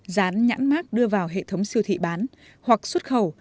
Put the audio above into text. rán nhãn mát đưa vào hệ thống siêu thị bán hoặc xuất khẩu